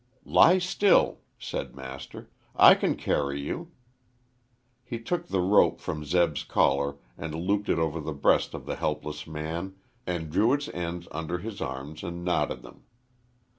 "Lie still," said Master. "I can carry you." He took the rope from Zeb's collar and looped it over the breast of the helpless man and drew its ends under his arms and knotted them.